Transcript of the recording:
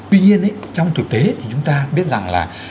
tuy nhiên trong thực tế thì chúng ta biết rằng là